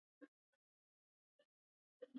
پامیر د افغانستان په ستراتیژیک اهمیت کې رول لري.